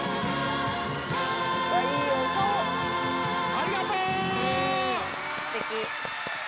ありがとう！